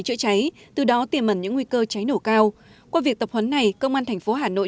chữa cháy từ đó tiềm ẩn những nguy cơ cháy nổ cao qua việc tập huấn này công an thành phố hà nội